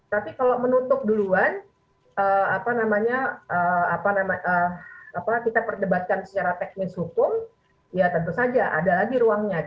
tapi kalau menutup duluan apa namanya kita perdebatkan secara teknis hukum ya tentu saja ada lagi ruangnya